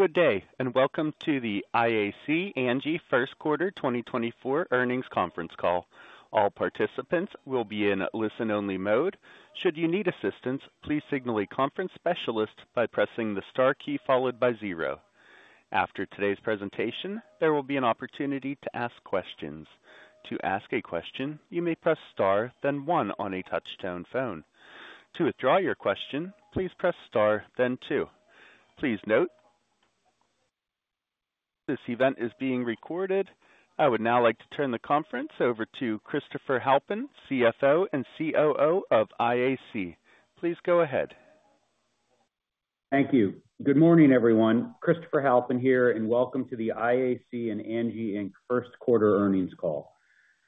Good day, and welcome to the IAC Angi first quarter 2024 earnings conference call. All participants will be in listen-only mode. Should you need assistance, please signal a conference specialist by pressing the star key followed by zero. After today's presentation, there will be an opportunity to ask questions. To ask a question, you may press star, then one on a touch-tone phone. To withdraw your question, please press star, then two. Please note, this event is being recorded. I would now like to turn the conference over to Christopher Halpin, CFO and COO of IAC. Please go ahead. Thank you. Good morning, everyone. Christopher Halpin here, and welcome to the IAC and Angi Inc. first quarter earnings call.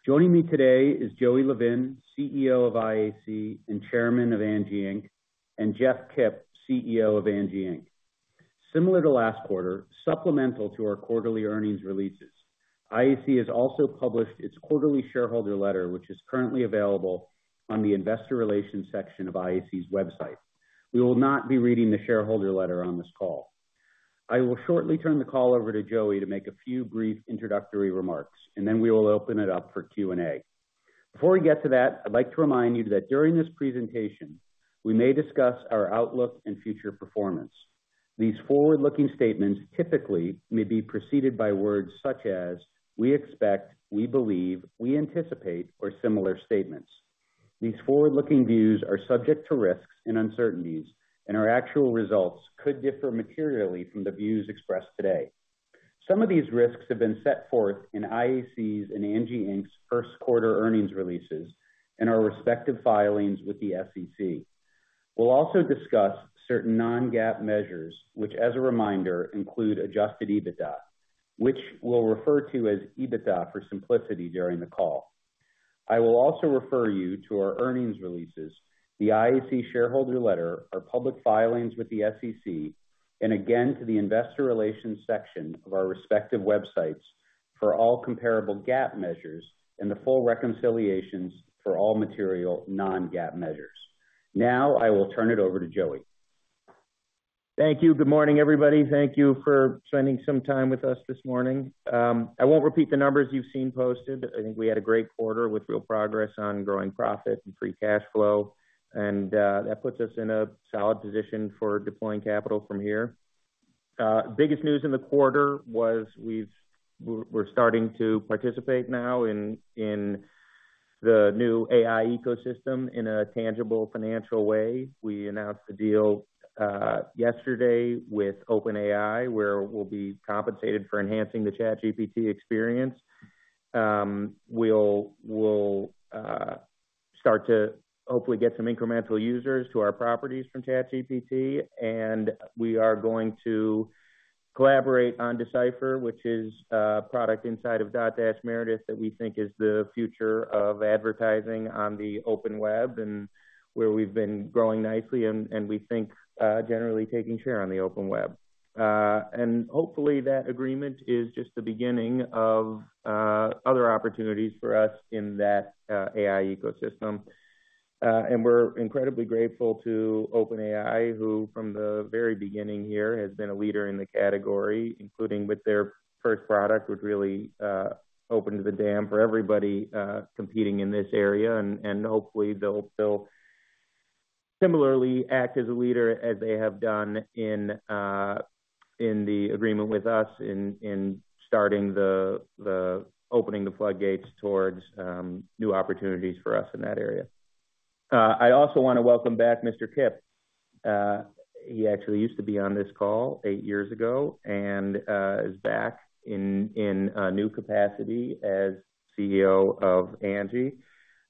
Joining me today is Joey Levin, CEO of IAC and Chairman of Angi Inc., and Jeff Kipp, CEO of Angi Inc. Similar to last quarter, supplemental to our quarterly earnings releases, IAC has also published its quarterly shareholder letter, which is currently available on the investor relations section of IAC's website. We will not be reading the shareholder letter on this call. I will shortly turn the call over to Joey to make a few brief introductory remarks, and then we will open it up for Q&A. Before we get to that, I'd like to remind you that during this presentation, we may discuss our outlook and future performance. These forward-looking statements typically may be preceded by words such as: we expect, we believe, we anticipate, or similar statements. These forward-looking views are subject to risks and uncertainties, and our actual results could differ materially from the views expressed today. Some of these risks have been set forth in IAC's and Angi Inc.'s first quarter earnings releases and our respective filings with the SEC. We'll also discuss certain non-GAAP measures, which, as a reminder, include Adjusted EBITDA, which we'll refer to as EBITDA for simplicity during the call. I will also refer you to our earnings releases, the IAC shareholder letter, our public filings with the SEC, and again, to the investor relations section of our respective websites for all comparable GAAP measures and the full reconciliations for all material non-GAAP measures. Now, I will turn it over to Joey. Thank you. Good morning, everybody. Thank you for spending some time with us this morning. I won't repeat the numbers you've seen posted. I think we had a great quarter with real progress on growing profit and free cash flow, and that puts us in a solid position for deploying capital from here. Biggest news in the quarter was we're starting to participate now in the new AI ecosystem in a tangible financial way. We announced a deal yesterday with OpenAI, where we'll be compensated for enhancing the ChatGPT experience. We'll start to hopefully get some incremental users to our properties from ChatGPT, and we are going to collaborate on D/Cipher, which is a product inside of Dotdash Meredith that we think is the future of advertising on the open web and where we've been growing nicely and we think generally taking share on the open web. And hopefully, that agreement is just the beginning of other opportunities for us in that AI ecosystem. And we're incredibly grateful to OpenAI, who, from the very beginning here, has been a leader in the category, including with their first product, which really opened the dam for everybody competing in this area. Hopefully, they'll still similarly act as a leader as they have done in the agreement with us in starting the opening the floodgates towards new opportunities for us in that area. I also want to welcome back Mr. Kipp. He actually used to be on this call eight years ago and is back in a new capacity as CEO of Angi.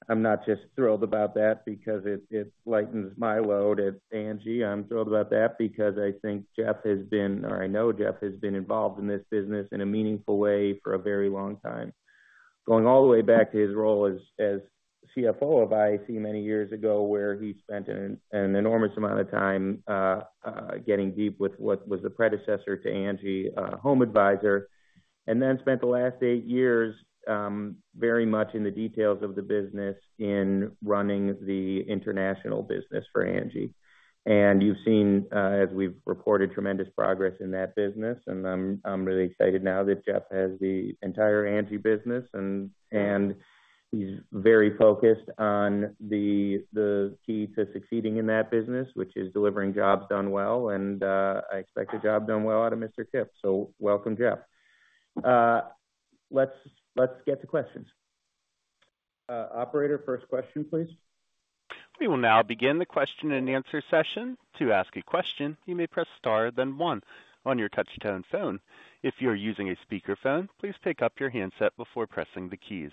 I'm not just thrilled about that because it lightens my load at Angi. I'm thrilled about that because I think Jeff has been, or I know Jeff has been involved in this business in a meaningful way for a very long time. Going all the way back to his role as CFO of IAC many years ago, where he spent an enormous amount of time getting deep with what was the predecessor to Angi, HomeAdvisor, and then spent the last eight years very much in the details of the business in running the international business for Angi. And you've seen, as we've reported, tremendous progress in that business, and I'm really excited now that Jeff has the entire Angi business, and he's very focused on the key to succeeding in that business, which is delivering jobs done well, and I expect a job done well out of Mr. Kipp. So welcome, Jeff. Let's get to questions. Operator, first question, please. We will now begin the question-and-answer session. To ask a question, you may press star, then one on your touch-tone phone. If you are using a speakerphone, please pick up your handset before pressing the keys.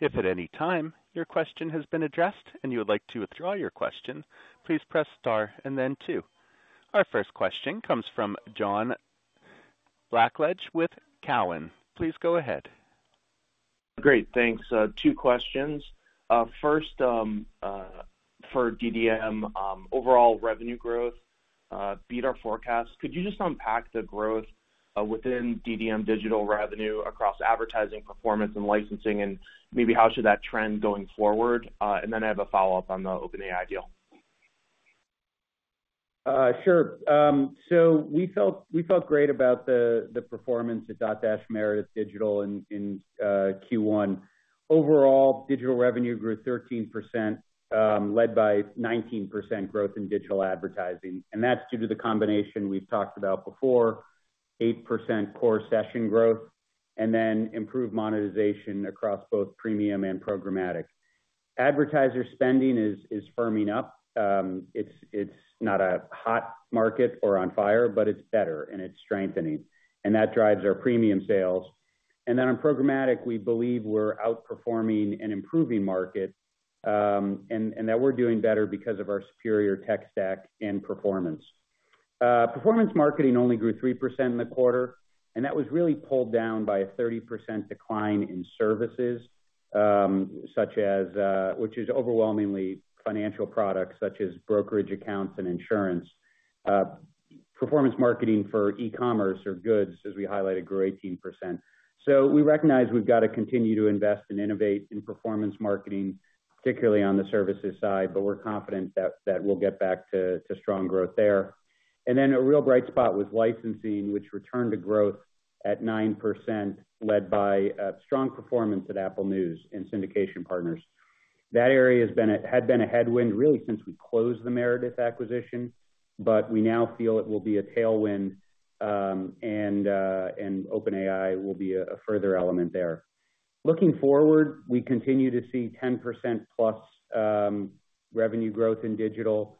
If at any time your question has been addressed and you would like to withdraw your question, please press star and then two. Our first question comes from John Blackledge with Cowen. Please go ahead. Great, thanks. Two questions. First, for DDM, overall revenue growth beat our forecast. Could you just unpack the growth-... within DDM digital revenue across advertising, performance, and licensing, and maybe how should that trend going forward? And then I have a follow-up on the OpenAI deal. Sure, so we felt great about the performance at Dotdash Meredith Digital in Q1. Overall, digital revenue grew 13%, led by 19% growth in digital advertising, and that's due to the combination we've talked about before, 8% core session growth and then improved monetization across both premium and programmatic. Advertiser spending is firming up. It's not a hot market or on fire, but it's better, and it's strengthening, and that drives our premium sales. And then on programmatic, we believe we're outperforming an improving market, and that we're doing better because of our superior tech stack and performance. Performance marketing only grew 3% in the quarter, and that was really pulled down by a 30% decline in services, such as... Which is overwhelmingly financial products, such as brokerage accounts and insurance. Performance marketing for e-commerce or goods, as we highlighted, grew 18%. So we recognize we've got to continue to invest and innovate in performance marketing, particularly on the services side, but we're confident that we'll get back to strong growth there. And then a real bright spot was licensing, which returned to growth at 9%, led by a strong performance at Apple News and syndication partners. That area had been a headwind, really, since we closed the Meredith acquisition, but we now feel it will be a tailwind, and OpenAI will be a further element there. Looking forward, we continue to see 10%+ revenue growth in digital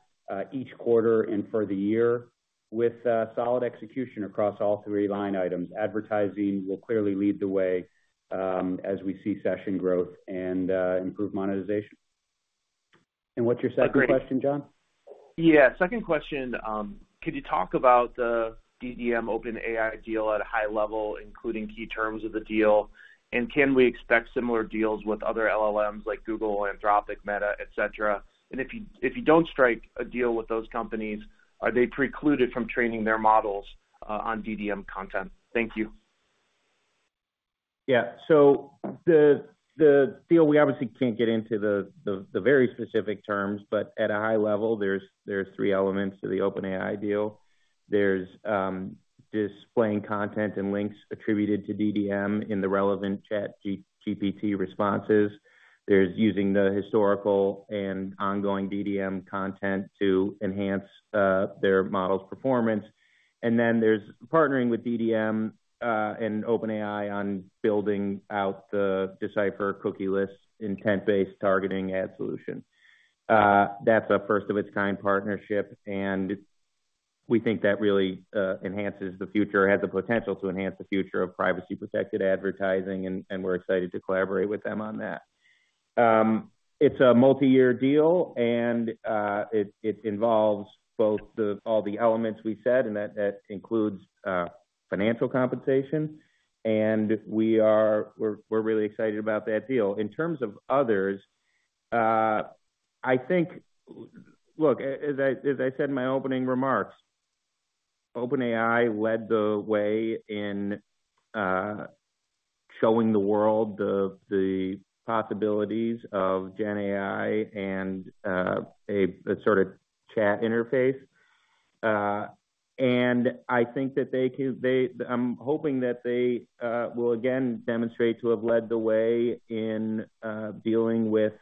each quarter and for the year, with solid execution across all three line items. Advertising will clearly lead the way, as we see session growth and improved monetization. What's your second question, John? Yeah, second question. Could you talk about the DDM OpenAI deal at a high level, including key terms of the deal? Can we expect similar deals with other LLMs, like Google, Anthropic, Meta, et cetera? If you don't strike a deal with those companies, are they precluded from training their models on DDM content? Thank you. Yeah. So the deal, we obviously can't get into the very specific terms, but at a high level, there's three elements to the OpenAI deal. There's displaying content and links attributed to DDM in the relevant ChatGPT responses. There's using the historical and ongoing DDM content to enhance their model's performance. And then there's partnering with DDM and OpenAI on building out the D/Cipher cookieless intent-based targeting ad solution. That's a first of its kind partnership, and we think that really enhances the future—has the potential to enhance the future of privacy-protected advertising, and we're excited to collaborate with them on that. It's a multiyear deal, and it involves all the elements we said, and that includes financial compensation, and we're really excited about that deal. In terms of others, I think... Look, as I, as I said in my opening remarks, OpenAI led the way in showing the world the possibilities of GenAI and a sort of chat interface. And I think that they can, I'm hoping that they will again demonstrate to have led the way in dealing with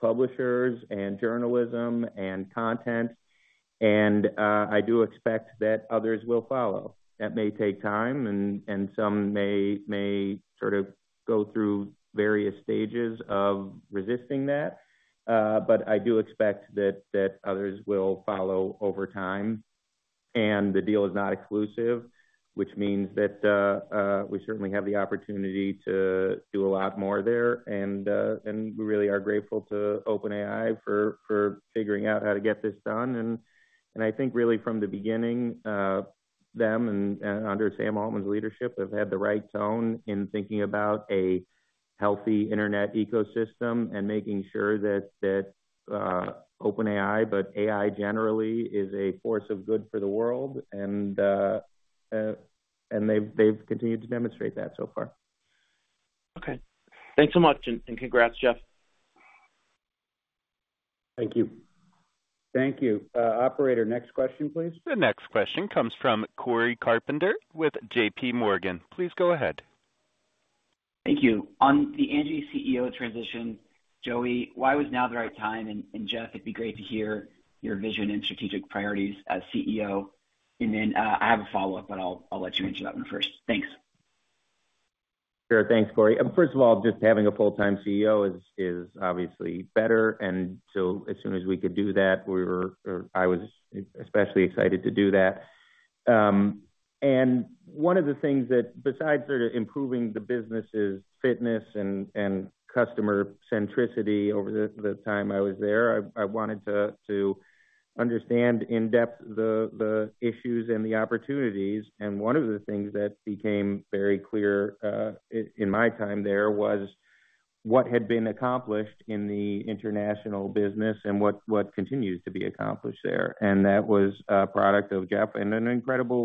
publishers and journalism and content, and I do expect that others will follow. That may take time, and some may sort of go through various stages of resisting that, but I do expect that others will follow over time. And the deal is not exclusive, which means that we certainly have the opportunity to do a lot more there, and we really are grateful to OpenAI for figuring out how to get this done. I think really from the beginning, them and under Sam Altman's leadership have had the right tone in thinking about a healthy internet ecosystem and making sure that OpenAI, but AI generally, is a force of good for the world, and they've continued to demonstrate that so far. Okay. Thanks so much, and congrats, Jeff. Thank you. Thank you. Operator, next question, please. The next question comes from Cory Carpenter with J.P. Morgan. Please go ahead. Thank you. On the Angi CEO transition, Joey, why was now the right time? And Jeff, it'd be great to hear your vision and strategic priorities as CEO. And then, I have a follow-up, but I'll let you answer that one first. Thanks. Sure. Thanks, Corey. First of all, just having a full-time CEO is obviously better, and so as soon as we could do that, we were. I was especially excited to do that. And one of the things that, besides sort of improving the business' fitness and customer centricity over the time I was there, I wanted to understand in depth the issues and the opportunities. And one of the things that became very clear in my time there was,... what had been accomplished in the international business and what, what continues to be accomplished there. And that was a product of Jeff and an incredible,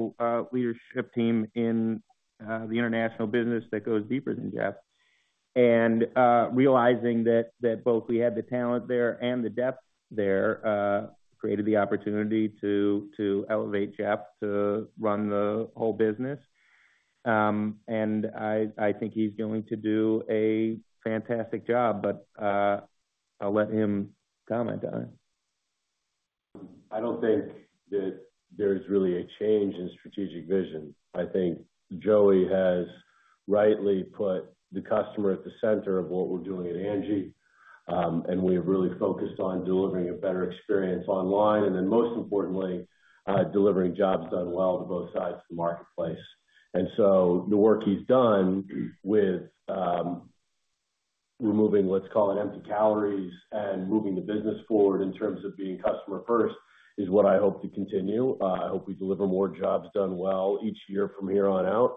leadership team in, the international business that goes deeper than Jeff. And, realizing that, that both we had the talent there and the depth there, created the opportunity to, to elevate Jeff to run the whole business. And I, I think he's going to do a fantastic job, but, I'll let him comment on it. I don't think that there's really a change in strategic vision. I think Joey has rightly put the customer at the center of what we're doing at ANGI, and we have really focused on delivering a better experience online, and then most importantly, delivering jobs done well to both sides of the marketplace. And so the work he's done with removing, let's call it empty calories, and moving the business forward in terms of being customer first, is what I hope to continue. I hope we deliver more jobs done well each year from here on out.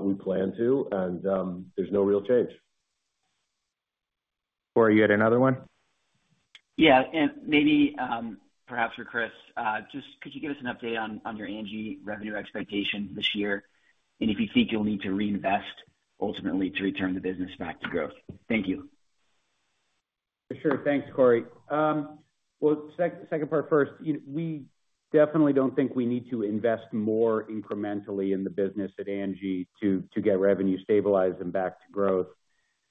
We plan to, and there's no real change. Cory, you had another one? Yeah, and maybe, perhaps for Chris, just could you give us an update on your ANGI revenue expectation this year? And if you think you'll need to reinvest, ultimately, to return the business back to growth. Thank you. For sure. Thanks, Corey. Well, second part first, you know, we definitely don't think we need to invest more incrementally in the business at ANGI to get revenue stabilized and back to growth.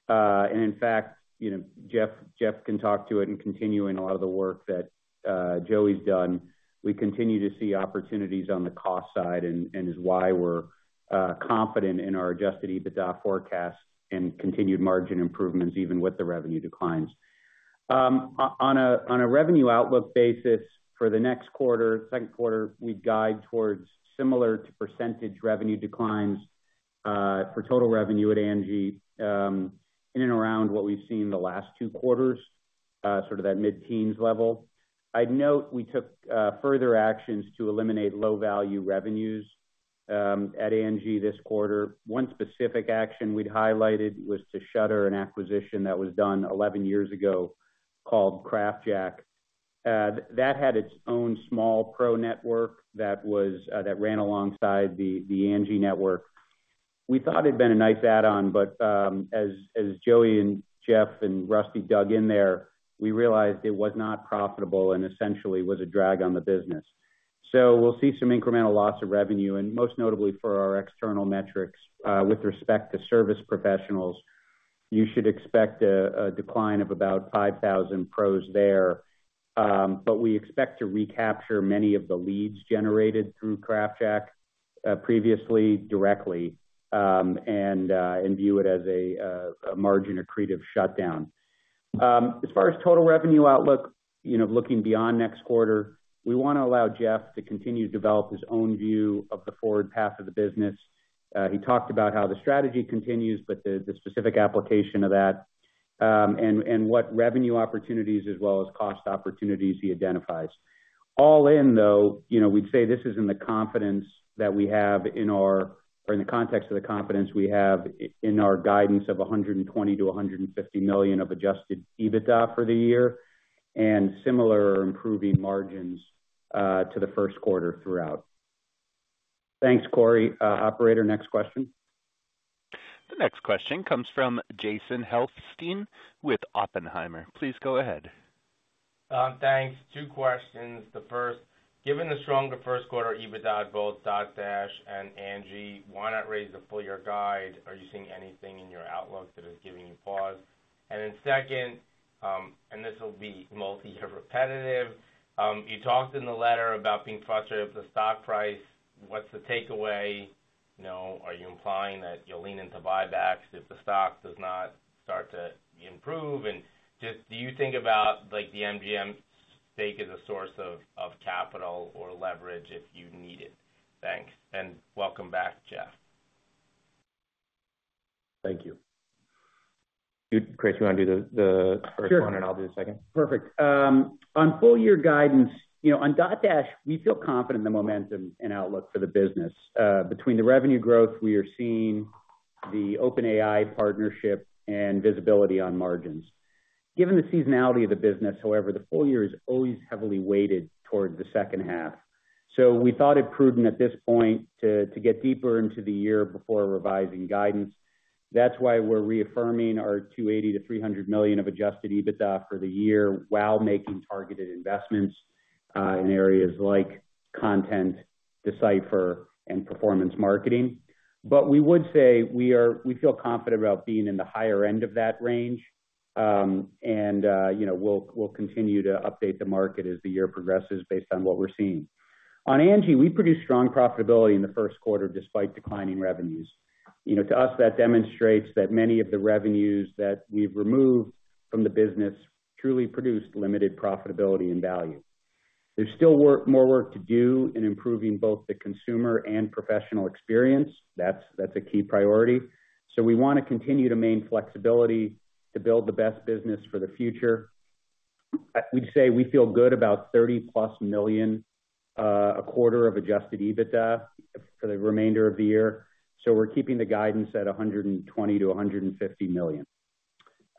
And in fact, you know, Jeff, Jeff can talk to it and continuing a lot of the work that Joey's done. We continue to see opportunities on the cost side and is why we're confident in our Adjusted EBITDA forecast and continued margin improvements, even with the revenue declines. On a revenue outlook basis for the next quarter, second quarter, we'd guide towards similar to percentage revenue declines for total revenue at ANGI, in and around what we've seen in the last two quarters, sort of that mid-teens level. I'd note we took further actions to eliminate low-value revenues at Angi this quarter. One specific action we'd highlighted was to shutter an acquisition that was done 11 years ago called CraftJack. That had its own small pro network that ran alongside the Angi network. We thought it'd been a nice add-on, but as Joey and Jeff and Rusty dug in there, we realized it was not profitable and essentially was a drag on the business. So we'll see some incremental loss of revenue, and most notably for our external metrics, with respect to service professionals, you should expect a decline of about 5,000 pros there. But we expect to recapture many of the leads generated through CraftJack previously directly and view it as a margin accretive shutdown. As far as total revenue outlook, you know, looking beyond next quarter, we wanna allow Jeff to continue to develop his own view of the forward path of the business. He talked about how the strategy continues, but the, the specific application of that, and, and what revenue opportunities as well as cost opportunities he identifies. All in, though, you know, we'd say this is in the confidence that we have in our or in the context of the confidence we have in our guidance of $120 million-$150 million of Adjusted EBITDA for the year, and similar improving margins, to the first quarter throughout. Thanks, Cory. Operator, next question. The next question comes from Jason Helfstein with Oppenheimer. Please go ahead. Thanks. Two questions. The first, given the stronger first quarter EBITDA, both Dotdash and ANGI, why not raise the full year guide? Are you seeing anything in your outlook that is giving you pause? And then second, and this will be multi or repetitive. You talked in the letter about being frustrated with the stock price. What's the takeaway? You know, are you implying that you'll lean into buybacks if the stock does not start to improve? And just, do you think about, like, the MGM stake as a source of, of capital or leverage if you need it? Thanks, and welcome back, Jeff. Thank you. Chris, you wanna do the first one? Sure. And I'll do the second? Perfect. On full-year guidance, you know, on Dotdash, we feel confident in the momentum and outlook for the business. Between the revenue growth we are seeing, the OpenAI partnership and visibility on margins. Given the seasonality of the business, however, the full year is always heavily weighted towards the second half. So we thought it prudent at this point to get deeper into the year before revising guidance. That's why we're reaffirming our $280 million-$300 million of Adjusted EBITDA for the year, while making targeted investments in areas like content, D/Cipher and performance marketing. But we would say we feel confident about being in the higher end of that range. And, you know, we'll continue to update the market as the year progresses based on what we're seeing. On ANGI, we produced strong profitability in the first quarter, despite declining revenues. You know, to us, that demonstrates that many of the revenues that we've removed from the business truly produced limited profitability and value. There's still work, more work to do in improving both the consumer and professional experience. That's a key priority. So we wanna continue to maintain flexibility to build the best business for the future.... We'd say we feel good about $30+ million a quarter of adjusted EBITDA for the remainder of the year. So we're keeping the guidance at $120-$150 million.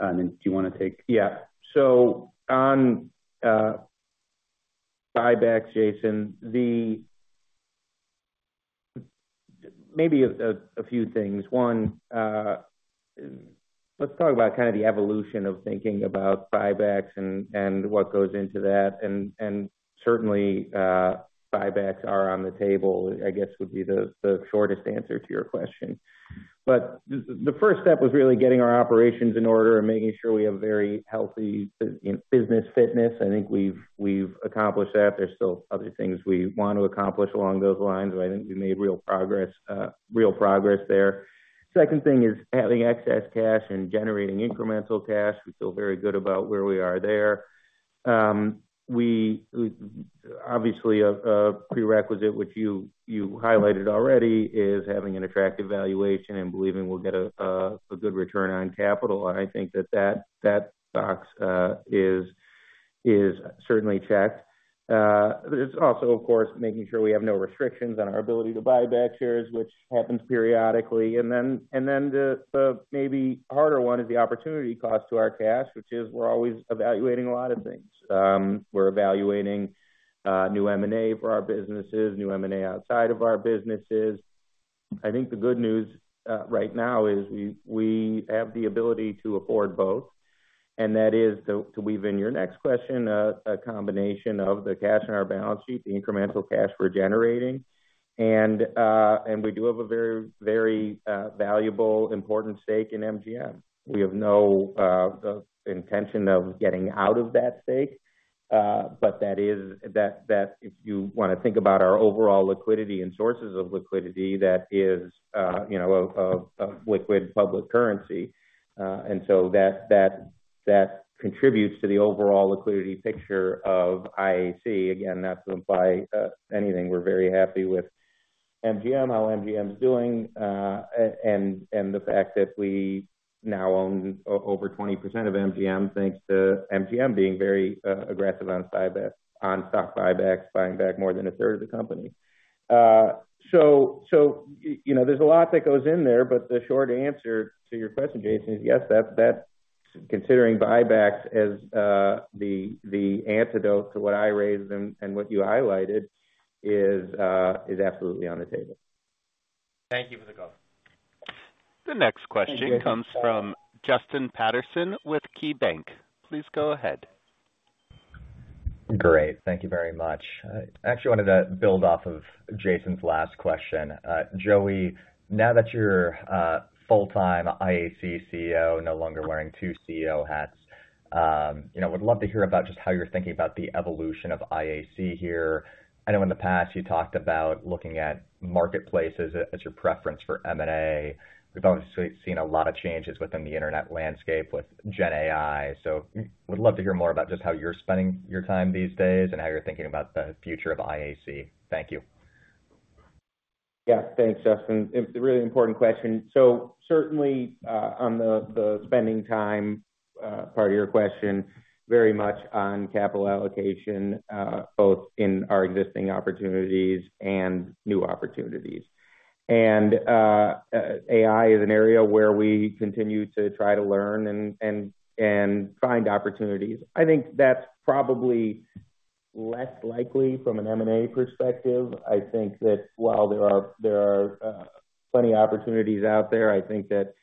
Do you wanna take? Yeah. So on buybacks, Jason, maybe a few things. One, let's talk about kind of the evolution of thinking about buybacks and what goes into that. And certainly, buybacks are on the table, I guess, would be the shortest answer to your question. But the first step was really getting our operations in order and making sure we have very healthy business fitness. I think we've accomplished that. There's still other things we want to accomplish along those lines, but I think we made real progress, real progress there. Second thing is having excess cash and generating incremental cash. We feel very good about where we are there. Obviously, a prerequisite which you highlighted already is having an attractive valuation and believing we'll get a good return on capital. I think that box is certainly checked. It's also, of course, making sure we have no restrictions on our ability to buy back shares, which happens periodically. And then the maybe harder one is the opportunity cost to our cash, which is we're always evaluating a lot of things. We're evaluating new M&A for our businesses, new M&A outside of our businesses. I think the good news right now is we have the ability to afford both, and that is, to weave in your next question, a combination of the cash on our balance sheet, the incremental cash we're generating, and we do have a very, very valuable, important stake in MGM. We have no intention of getting out of that stake, but that is. That if you wanna think about our overall liquidity and sources of liquidity, that is, you know, a liquid public currency. And so that contributes to the overall liquidity picture of IAC. Again, not to imply anything. We're very happy with MGM, how MGM's doing, and the fact that we now own over 20% of MGM, thanks to MGM being very aggressive on buyback, on stock buybacks, buying back more than a third of the company. So, you know, there's a lot that goes in there, but the short answer to your question, Jason, is yes, that considering buybacks as the antidote to what I raised and what you highlighted is absolutely on the table. Thank you for the call. The next question comes from Justin Patterson with KeyBank. Please go ahead. Great. Thank you very much. I actually wanted to build off of Jason's last question. Joey, now that you're a full-time IAC CEO, no longer wearing two CEO hats, you know, would love to hear about just how you're thinking about the evolution of IAC here. I know in the past, you talked about looking at marketplaces as, as your preference for M&A. We've obviously seen a lot of changes within the internet landscape with GenAI, so would love to hear more about just how you're spending your time these days and how you're thinking about the future of IAC. Thank you. Yeah, thanks, Justin. It's a really important question. So certainly, on the spending time part of your question, very much on capital allocation, both in our existing opportunities and new opportunities. And AI is an area where we continue to try to learn and find opportunities. I think that's probably less likely from an M&A perspective. I think that while there are plenty of opportunities out there, I think that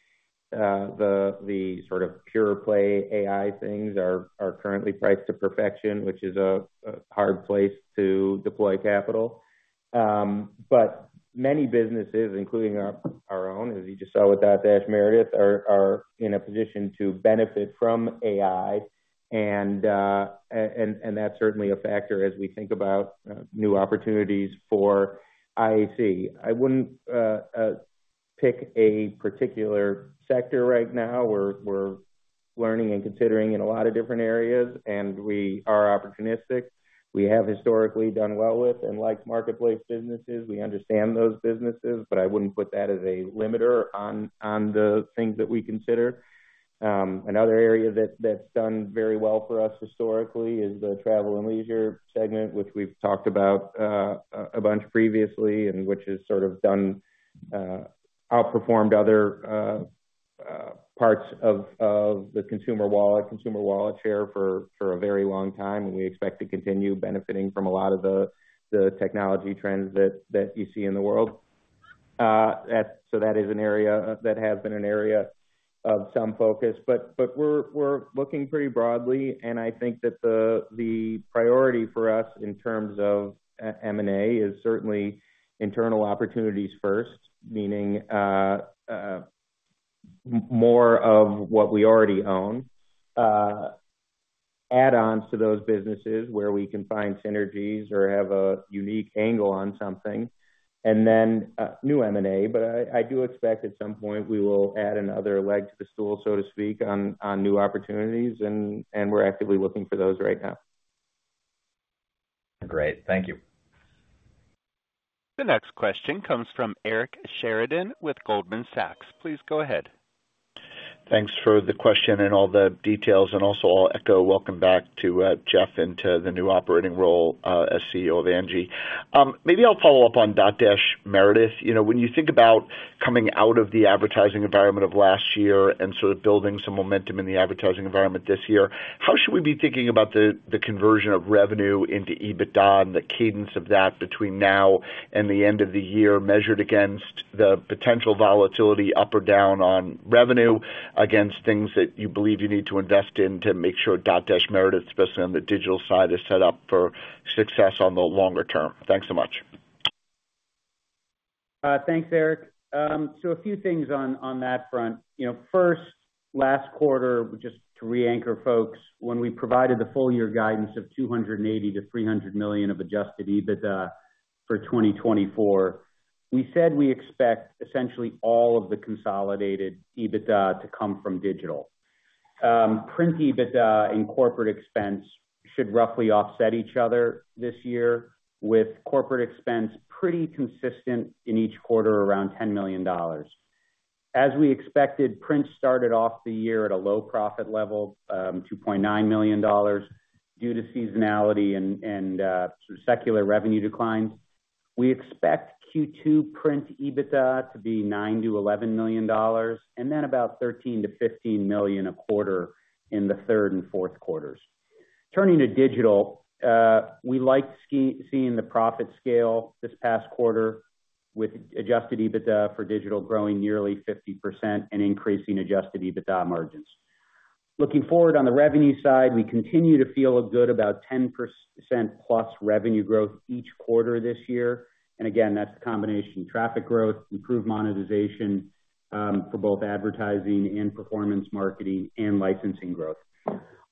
the sort of pure play AI things are currently priced to perfection, which is a hard place to deploy capital. But many businesses, including our own, as you just saw with Dotdash Meredith, are in a position to benefit from AI, and that's certainly a factor as we think about new opportunities for IAC. I wouldn't pick a particular sector right now. We're learning and considering in a lot of different areas, and we are opportunistic. We have historically done well with and like marketplace businesses, we understand those businesses, but I wouldn't put that as a limiter on the things that we consider. Another area that's done very well for us historically is the travel and leisure segment, which we've talked about a bunch previously, and which has sort of done outperformed other parts of the consumer wallet, consumer wallet share for a very long time, and we expect to continue benefiting from a lot of the technology trends that you see in the world. So that is an area that has been an area of some focus. We're looking pretty broadly, and I think that the priority for us in terms of M&A is certainly internal opportunities first, meaning more of what we already own, add-ons to those businesses where we can find synergies or have a unique angle on something, and then new M&A. But I do expect at some point we will add another leg to the stool, so to speak, on new opportunities, and we're actively looking for those right now.... Great. Thank you. The next question comes from Eric Sheridan with Goldman Sachs. Please go ahead. Thanks for the question and all the details, and also I'll echo welcome back to Jeff, into the new operating role as CEO of Angi. Maybe I'll follow up on Dotdash Meredith. You know, when you think about coming out of the advertising environment of last year and sort of building some momentum in the advertising environment this year, how should we be thinking about the conversion of revenue into EBITDA and the cadence of that between now and the end of the year, measured against the potential volatility, up or down, on revenue, against things that you believe you need to invest in to make sure Dotdash Meredith, especially on the digital side, is set up for success on the longer term? Thanks so much. Thanks, Eric. So a few things on that front. You know, first, last quarter, just to re-anchor folks, when we provided the full year guidance of $280 million-$300 million of Adjusted EBITDA for 2024, we said we expect essentially all of the consolidated EBITDA to come from digital. Print EBITDA and corporate expense should roughly offset each other this year, with corporate expense pretty consistent in each quarter, around $10 million. As we expected, print started off the year at a low profit level, $2.9 million, due to seasonality and sort of secular revenue declines. We expect Q2 print EBITDA to be $9 million-$11 million, and then about $13 million-$15 million a quarter in the third and fourth quarters. Turning to digital, we're seeing the profit scale this past quarter, with Adjusted EBITDA for digital growing nearly 50% and increasing Adjusted EBITDA margins. Looking forward on the revenue side, we continue to feel good about 10%+ revenue growth each quarter this year. And again, that's a combination of traffic growth, improved monetization, for both advertising and performance marketing, and licensing growth.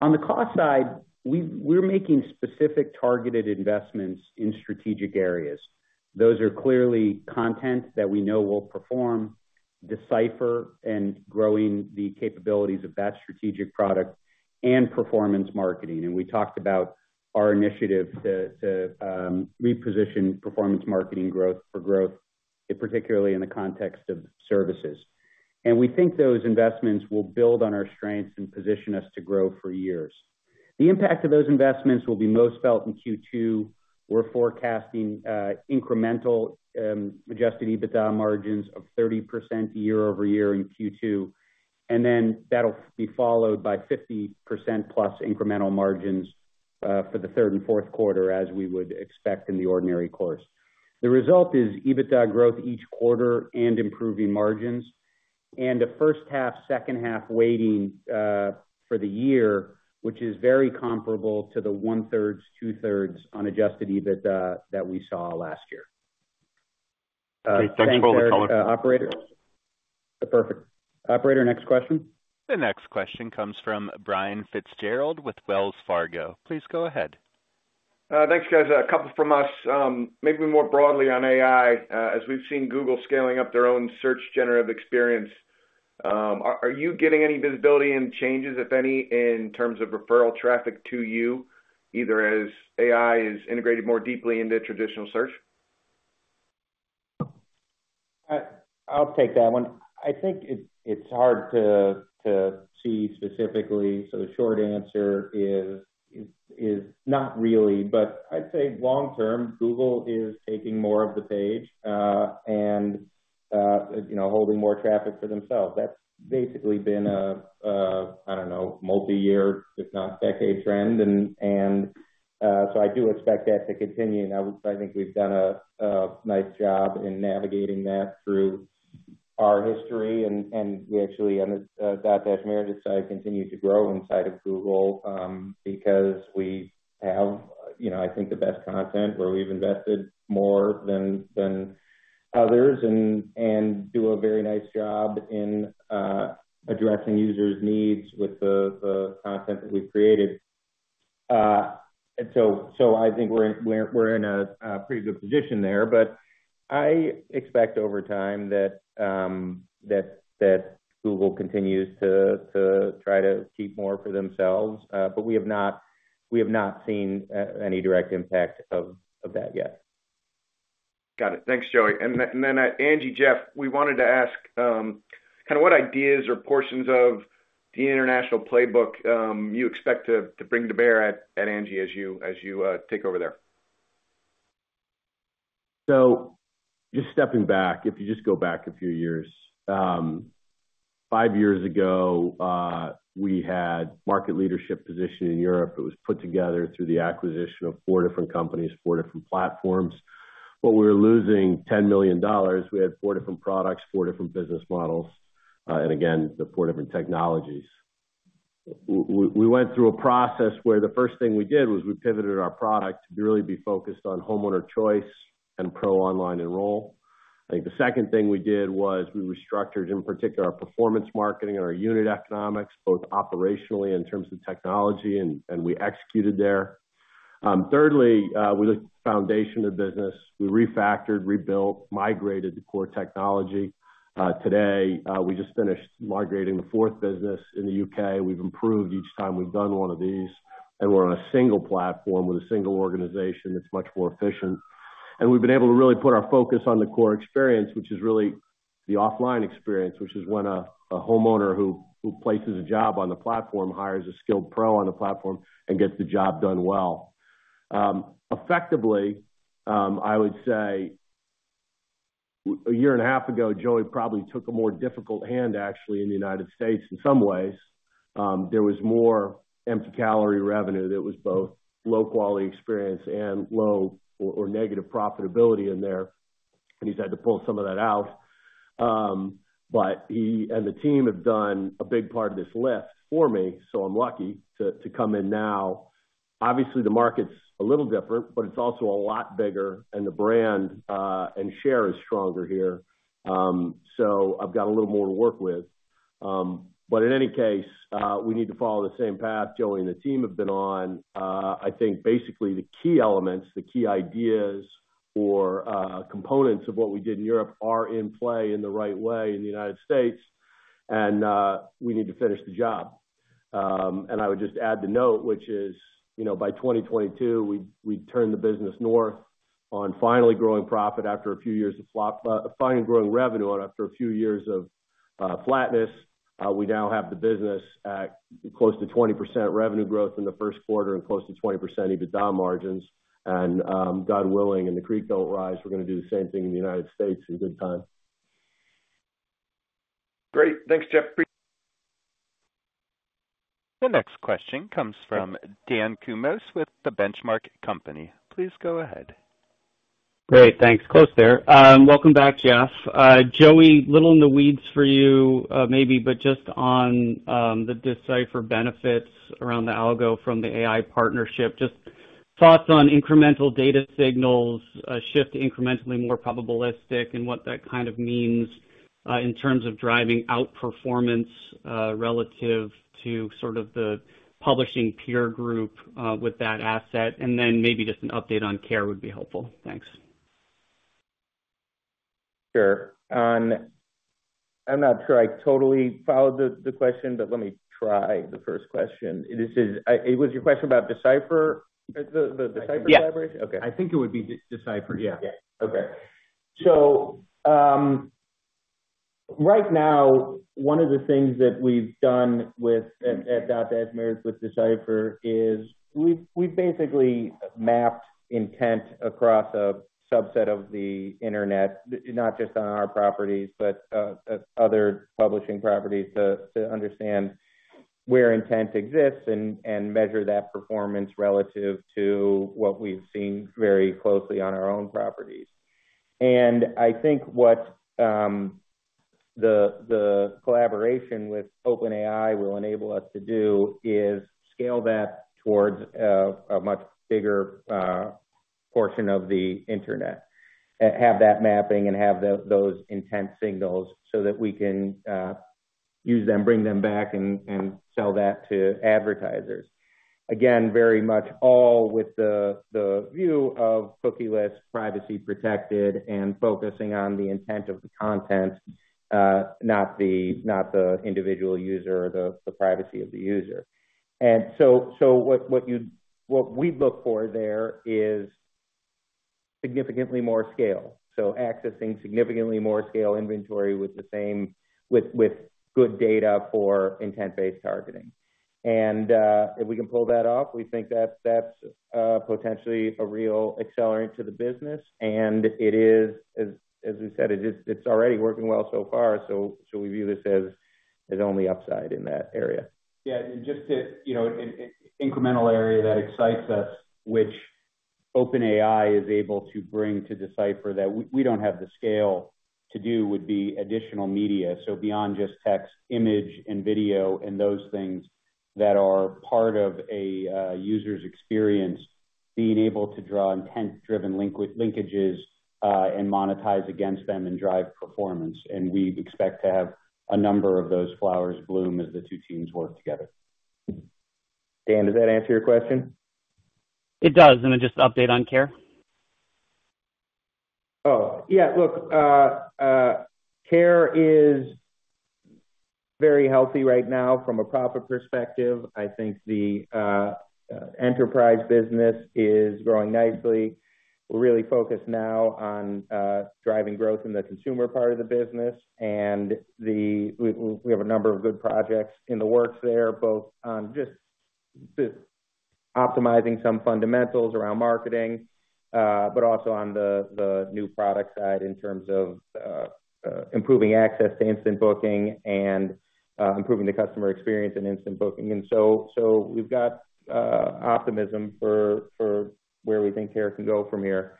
On the cost side, we're making specific targeted investments in strategic areas. Those are clearly content that we know will perform, D/Cipher and growing the capabilities of that strategic product and performance marketing. And we talked about our initiative to reposition performance marketing growth for growth, particularly in the context of services. And we think those investments will build on our strengths and position us to grow for years. The impact of those investments will be most felt in Q2. We're forecasting incremental Adjusted EBITDA margins of 30% year-over-year in Q2, and then that'll be followed by 50%+ incremental margins for the third and fourth quarter, as we would expect in the ordinary course. The result is EBITDA growth each quarter and improving margins, and a first half, second half weighting for the year, which is very comparable to the one-thirds, two-thirds unadjusted EBITDA that we saw last year. Okay, thanks for all the color- Operator? Perfect. Operator, next question. The next question comes from Brian Fitzgerald with Wells Fargo. Please go ahead. Thanks, guys. A couple from us. Maybe more broadly on AI, as we've seen Google scaling up their own Search Generative Experience, are you getting any visibility and changes, if any, in terms of referral traffic to you, either as AI is integrated more deeply into traditional search? I'll take that one. I think it's hard to see specifically, so the short answer is not really. But I'd say long term, Google is taking more of the page, and, you know, holding more traffic for themselves. That's basically been a multiyear, if not decade, trend. And so I do expect that to continue. I think we've done a nice job in navigating that through our history, and we actually, on the Dotdash Meredith side, continue to grow inside of Google, because we have, you know, I think, the best content, where we've invested more than others and do a very nice job in addressing users' needs with the content that we've created. So I think we're in a pretty good position there, but I expect over time that Google continues to try to keep more for themselves. But we have not seen any direct impact of that yet. Got it. Thanks, Joey. And then, Angi, Jeff, we wanted to ask kind of what ideas or portions of the international playbook you expect to bring to bear at Angi as you take over there? So just stepping back, if you just go back a few years. Five years ago, we had market leadership position in Europe. It was put together through the acquisition of four different companies, four different platforms. But we were losing $10 million. We had four different products, four different business models, and again, the four different technologies. We went through a process where the first thing we did was we pivoted our product to really be focused on homeowner choice and pro online enroll. I think the second thing we did was we restructured, in particular, our performance marketing and our unit economics, both operationally in terms of technology, and we executed there. Thirdly, we looked at the foundation of business. We refactored, rebuilt, migrated to core technology. Today, we just finished migrating the fourth business in the UK. We've improved each time we've done one of these, and we're on a single platform with a single organization that's much more efficient. And we've been able to really put our focus on the core experience, which is really-... the offline experience, which is when a homeowner places a job on the platform, hires a skilled pro on the platform and gets the job done well. Effectively, I would say, a year and a half ago, Joey probably took a more difficult hand, actually, in the United States in some ways. There was more empty calorie revenue that was both low-quality experience and low or negative profitability in there, and he's had to pull some of that out. But he and the team have done a big part of this lift for me, so I'm lucky to come in now. Obviously, the market's a little different, but it's also a lot bigger, and the brand and share is stronger here. So I've got a little more to work with. But in any case, we need to follow the same path Joey and the team have been on. I think basically the key elements, the key ideas or components of what we did in Europe are in play in the right way in the United States, and we need to finish the job. And I would just add the note, which is, you know, by 2022, we turned the business north on finally growing revenue after a few years of flatness. We now have the business at close to 20% revenue growth in the first quarter and close to 20% EBITDA margins. And God willing, and the creek don't rise, we're going to do the same thing in the United States in good time. Great. Thanks, Jeff. The next question comes from Dan Kurnos with The Benchmark Company. Please go ahead. Great, thanks. Close there. Welcome back, Jeff. Joey, little in the weeds for you, maybe, but just on the D/Cipher benefits around the algo from the AI partnership, just thoughts on incremental data signals, shift incrementally more probabilistic, and what that kind of means in terms of driving out performance relative to sort of the publishing peer group with that asset, and then maybe just an update on Care would be helpful. Thanks. Sure. I'm not sure I totally followed the, the question, but let me try the first question. This is, was your question about D/Cipher? The, the D/Cipher collaboration? Yes. Okay. I think it would be D/Cipher, yeah. Yeah. Okay. So, right now, one of the things that we've done with Dotdash Meredith with D/Cipher is we've basically mapped intent across a subset of the internet, not just on our properties, but other publishing properties, to understand where intent exists and measure that performance relative to what we've seen very closely on our own properties. And I think what the collaboration with OpenAI will enable us to do is scale that towards a much bigger portion of the internet. Have that mapping and have those intent signals so that we can use them, bring them back, and sell that to advertisers. Again, very much all with the view of cookieless, privacy protected, and focusing on the intent of the content, not the individual user or the privacy of the user. And so, what we look for there is significantly more scale, so accessing significantly more scale inventory with the same, with good data for intent-based targeting. And, if we can pull that off, we think that's potentially a real accelerant to the business. And it is, as we said, it is already working well so far, so we view this as only upside in that area. Yeah, and just to, you know, in an incremental area that excites us, which OpenAI is able to bring to D/Cipher, that we don't have the scale to do, would be additional media. So beyond just text, image and video, and those things that are part of a user's experience, being able to draw intent-driven linkages, and monetize against them and drive performance. And we expect to have a number of those flowers bloom as the two teams work together. Dan, does that answer your question? It does. And then just update on care? Oh, yeah. Look, Care is very healthy right now from a profit perspective. I think the enterprise business is growing nicely. We're really focused now on driving growth in the consumer part of the business, and we have a number of good projects in the works there, both on just optimizing some fundamentals around marketing, but also on the new product side in terms of improving access to instant booking and improving the customer experience in instant booking. And so we've got optimism for where we think Care can go from here.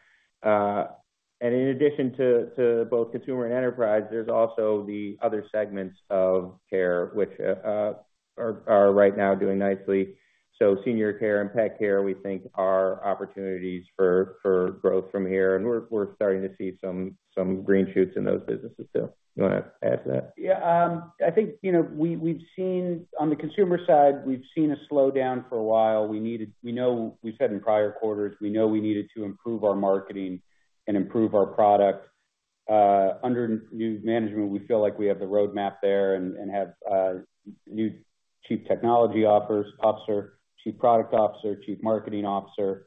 And in addition to both consumer and enterprise, there's also the other segments of Care which are right now doing nicely. So senior care and pet care, we think, are opportunities for growth from here, and we're starting to see some green shoots in those businesses too. You want to add to that? Yeah. I think, you know, we, we've seen... On the consumer side, we've seen a slowdown for a while. We needed- we know, we've said in prior quarters, we know we needed to improve our marketing and improve our product. Under new management, we feel like we have the roadmap there and, and have new Chief Technology Officer, Chief Product Officer, Chief Marketing Officer....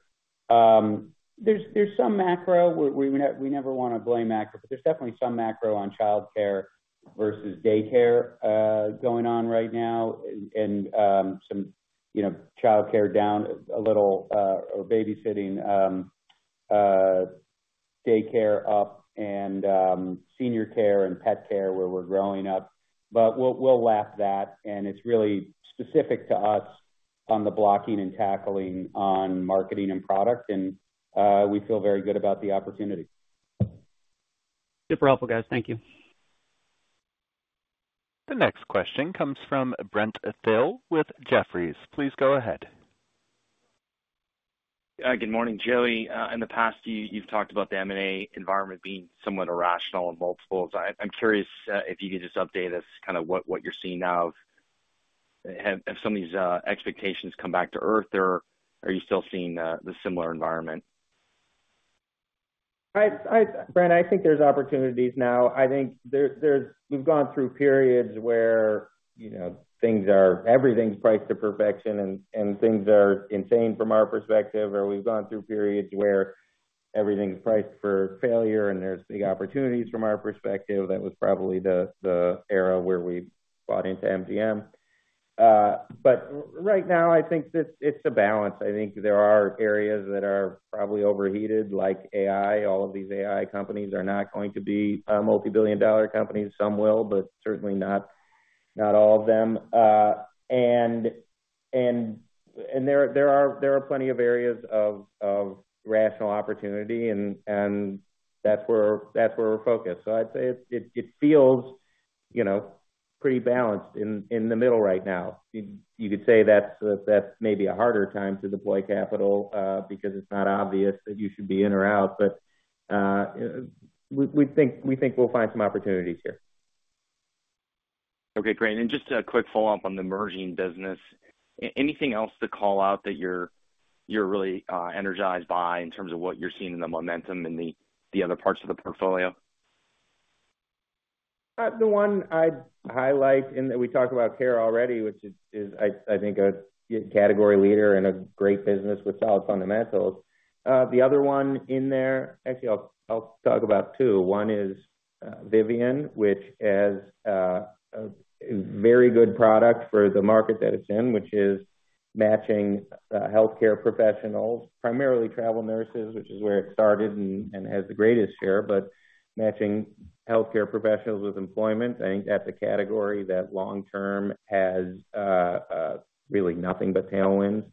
There's some macro. We never wanna blame macro, but there's definitely some macro on childcare versus daycare going on right now. And some, you know, childcare down a little, or babysitting, daycare up, and senior care and pet care where we're growing up. But we'll lap that, and it's really specific to us on the blocking and tackling on marketing and product, and we feel very good about the opportunity. Super helpful, guys. Thank you. The next question comes from Brent Thill with Jefferies. Please go ahead. Good morning, Joey. In the past, you've talked about the M&A environment being somewhat irrational in multiples. I'm curious if you could just update us, kinda what you're seeing now. Have some of these expectations come back to earth, or are you still seeing the similar environment? Brent, I think there's opportunities now. I think there's... We've gone through periods where, you know, everything's priced to perfection, and things are insane from our perspective. Or we've gone through periods where everything's priced for failure, and there's the opportunities from our perspective. That was probably the era where we bought into MGM. But right now, I think it's a balance. I think there are areas that are probably overheated, like AI. All of these AI companies are not going to be multi-billion dollar companies. Some will, but certainly not all of them. And there are plenty of areas of rational opportunity, and that's where we're focused. So I'd say it feels, you know, pretty balanced in the middle right now. You, you could say that's a, that's maybe a harder time to deploy capital, because it's not obvious that you should be in or out. But, we, we think, we think we'll find some opportunities here. Okay, great. And just a quick follow-up on the Angi business. Anything else to call out that you're really energized by in terms of what you're seeing in the momentum in the other parts of the portfolio? The one I'd highlight, and we talked about Care already, which is a category leader and a great business with solid fundamentals. The other one in there... Actually, I'll talk about two. One is Vivian, which has a very good product for the market that it's in, which is matching healthcare professionals, primarily travel nurses, which is where it started and has the greatest share, but matching healthcare professionals with employment. I think that's a category that long term has really nothing but tailwinds,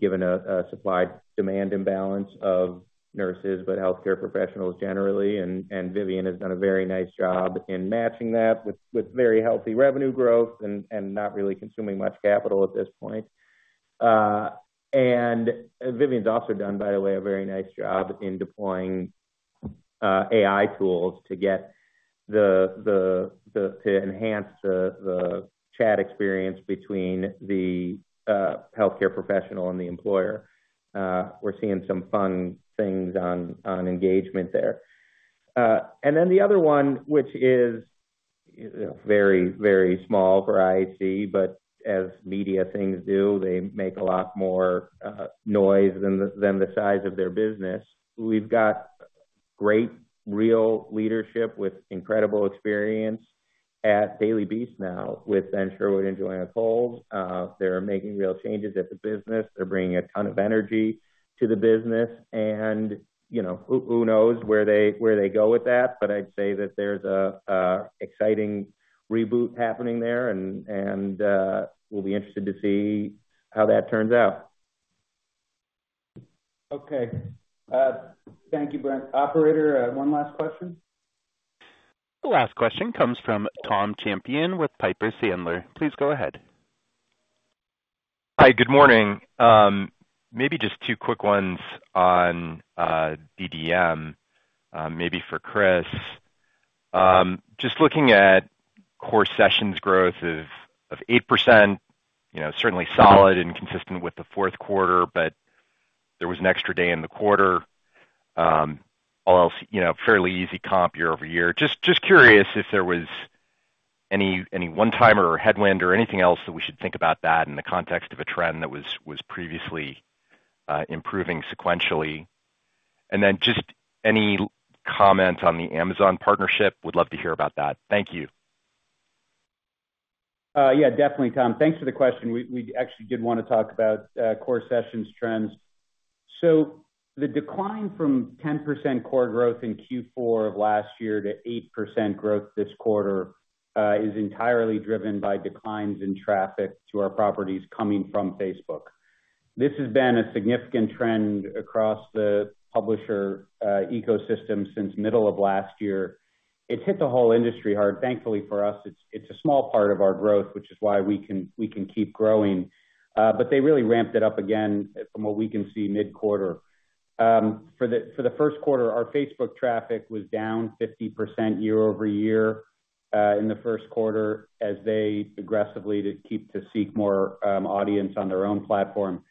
given a supply-demand imbalance of nurses, but healthcare professionals generally. And Vivian has done a very nice job in matching that with very healthy revenue growth and not really consuming much capital at this point. And Vivian's also done, by the way, a very nice job in deploying AI tools to get the to enhance the chat experience between the healthcare professional and the employer. We're seeing some fun things on engagement there. And then the other one, which is, you know, very, very small for IAC, but as media things do, they make a lot more noise than the size of their business. We've got great real leadership with incredible experience at Daily Beast now with Ben Sherwood and Joanna Coles. They're making real changes at the business. They're bringing a ton of energy to the business, and, you know, who knows where they go with that? But I'd say that there's an exciting reboot happening there, and we'll be interested to see how that turns out. Okay. Thank you, Brent. Operator, one last question? The last question comes from Tom Champion with Piper Sandler. Please go ahead. Hi, good morning. Maybe just two quick ones on DDM, maybe for Chris. Just looking at core sessions growth of 8%, you know, certainly solid and consistent with the fourth quarter, but there was an extra day in the quarter. All else, you know, fairly easy comp year-over-year. Just, just curious if there was any one-timer or headwind or anything else that we should think about that in the context of a trend that was previously improving sequentially? And then just any comment on the Amazon partnership, would love to hear about that. Thank you. Yeah, definitely, Tom. Thanks for the question. We actually did want to talk about core sessions trends. So the decline from 10% core growth in Q4 of last year to 8% growth this quarter is entirely driven by declines in traffic to our properties coming from Facebook. This has been a significant trend across the publisher ecosystem since middle of last year. It hit the whole industry hard. Thankfully for us, it's a small part of our growth, which is why we can keep growing. But they really ramped it up again from what we can see mid-quarter. For the first quarter, our Facebook traffic was down 50% year-over-year in the first quarter, as they aggressively to keep to seek more audience on their own platform.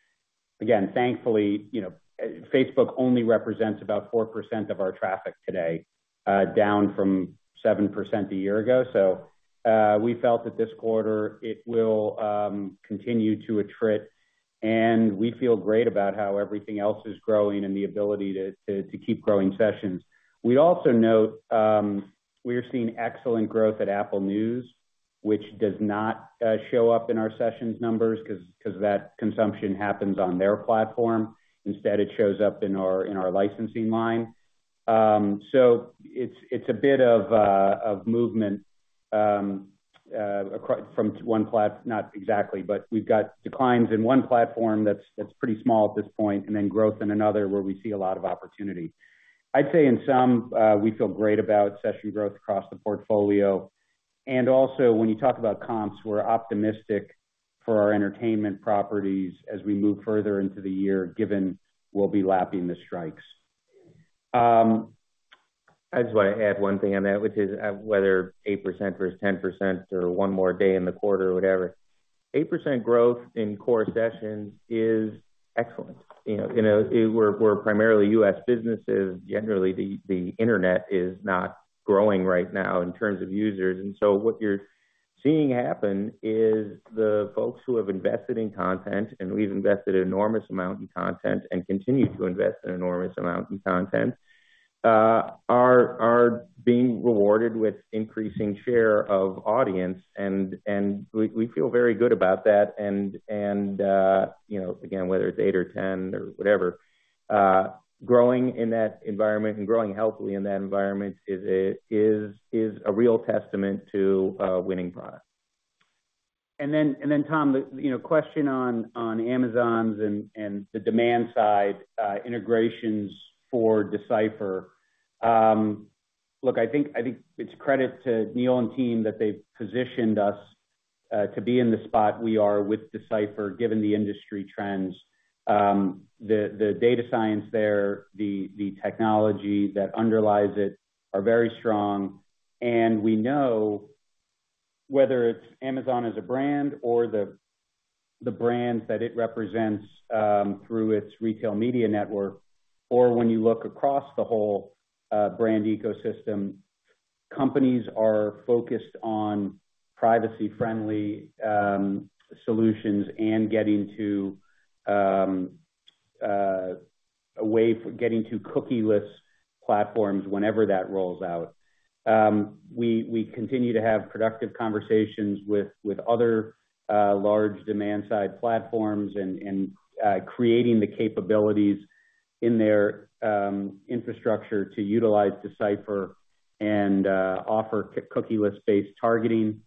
Again, thankfully, you know, Facebook only represents about 4% of our traffic today, down from 7% a year ago. So, we felt that this quarter it will continue to attrit- ...And we feel great about how everything else is growing and the ability to keep growing sessions. We also note we are seeing excellent growth at Apple News, which does not show up in our sessions numbers 'cause that consumption happens on their platform. Instead, it shows up in our licensing line. So it's a bit of movement across from one platform not exactly, but we've got declines in one platform that's pretty small at this point, and then growth in another where we see a lot of opportunity. I'd say in sum, we feel great about session growth across the portfolio. And also, when you talk about comps, we're optimistic for our entertainment properties as we move further into the year, given we'll be lapping the strikes. I just wanna add one thing on that, which is, whether 8% versus 10% or 1 more day in the quarter or whatever. 8% growth in core sessions is excellent. You know, you know, we're primarily U.S. businesses. Generally, the internet is not growing right now in terms of users. And so what you're seeing happen is the folks who have invested in content, and we've invested an enormous amount in content and continue to invest an enormous amount in content, are being rewarded with increasing share of audience. And, you know, again, whether it's 8 or 10 or whatever, growing in that environment and growing healthily in that environment is a real testament to a winning product. Tom, you know, question on Amazon and the demand side integrations for D/Cipher. Look, I think it's credit to Neil and team that they've positioned us to be in the spot we are with D/Cipher, given the industry trends. The data science there, the technology that underlies it are very strong, and we know whether it's Amazon as a brand or the brands that it represents through its retail media network, or when you look across the whole brand ecosystem, companies are focused on privacy-friendly solutions and getting to a way for getting to cookieless platforms whenever that rolls out. We continue to have productive conversations with other large demand side platforms and creating the capabilities in their infrastructure to utilize D/Cipher and offer cookieless-based targeting.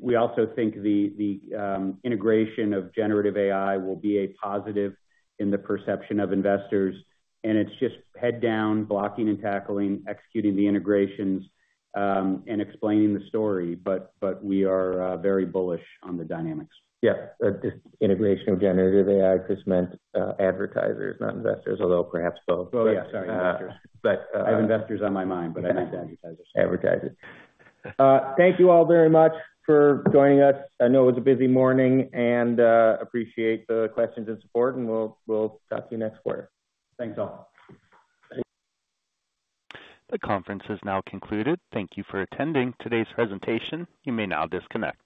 We also think the integration of generative AI will be a positive in the perception of investors, and it's just head down, blocking and tackling, executing the integrations and explaining the story. But we are very bullish on the dynamics. Yeah, just integration of generative AI just meant advertisers, not investors, although perhaps both. Well, yeah, sorry, advertisers. But, uh- I have investors on my mind, but I meant advertisers. Advertisers. Thank you all very much for joining us. I know it was a busy morning, and appreciate the questions and support, and we'll talk to you next quarter. Thanks, all. The conference is now concluded. Thank you for attending today's presentation. You may now disconnect.